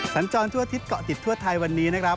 สัญจรทั่วอาทิตยเกาะติดทั่วไทยวันนี้นะครับ